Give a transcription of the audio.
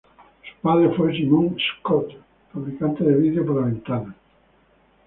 Su padre fue Simon Schott, fabricante de vidrio para ventanas.